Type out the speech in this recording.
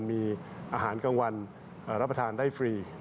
มีอาหารกลางวันรับประทานได้ฟรี